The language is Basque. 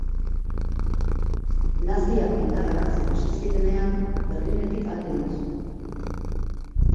Naziak indarra hartzen hasi zirenean, Berlinetik alde egin zuen.